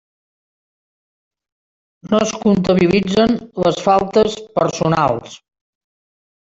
No es comptabilitzen les faltes personals.